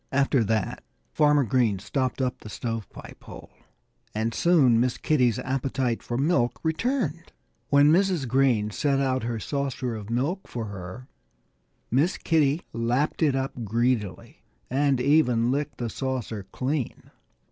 After that Farmer Green stopped up the stove pipe hole. And soon Miss Kitty's appetite for milk returned. When Mrs. Green set out her saucer of milk for her Miss Kitty lapped it up greedily and even licked the saucer clean.